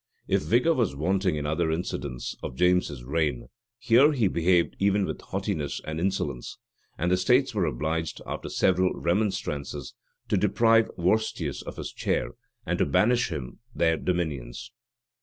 If vigor was wanting in other incidents of James's reign, here he behaved even with haughtiness and insolence; and the states were obliged, after several remonstrances, to deprive Vorstius of his chair, and to banish him their dominions.